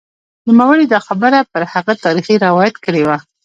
نوموړي دا خبره پر هغه تاریخي روایت کړې وه